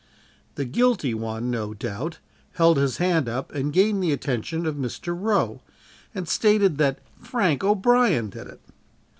The guilty one, no doubt, held his hand up and gained the attention of Mr. Roe, and stated that Frank O'Brien did it.